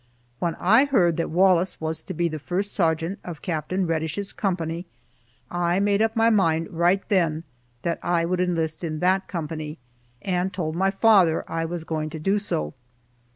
When I heard that Wallace was to be the first sergeant of Capt. Reddish's company, I made up my mind, right then, that I would enlist in that company, and told my father I was going to do so.